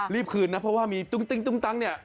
อ๋อรีบคืนนะเพราะว่ามีตุ้นเนี๊ย